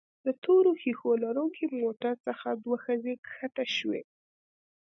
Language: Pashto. د تورو ښيښو لرونکي موټر څخه دوه ښځې ښکته شوې.